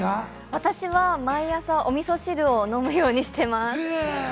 私は毎朝、お味噌汁を飲むようにしています。